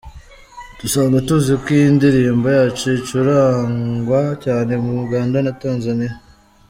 Dusanzwe tuzi ko iyi ndirimbo yacu icurangwa cyane, muri Uganda na za Tanzaniya.